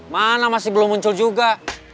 mana masih belum muncul juga